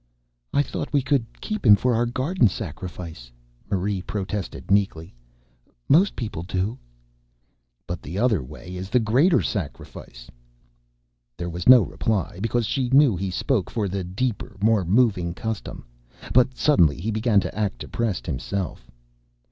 "I thought we could keep him for our garden sacrifice," Marie protested meekly. "Most people do." "But the other way is the greater sacrifice." There was no reply, because she knew he spoke for the deeper, more moving custom. But suddenly he began to act depressed himself.